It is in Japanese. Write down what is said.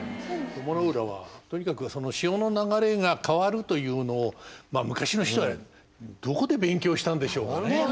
鞆の浦はとにかく潮の流れが変わるというのを昔の人はどこで勉強したんでしょうかね。